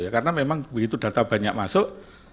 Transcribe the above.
karena memang begitu data banyak masuk